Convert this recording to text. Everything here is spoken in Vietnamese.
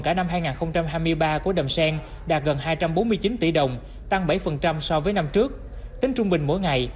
cả năm hai nghìn hai mươi ba của đầm sen đạt gần hai trăm bốn mươi chín tỷ đồng tăng bảy so với năm trước tính trung bình mỗi ngày